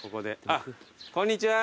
あっこんにちは。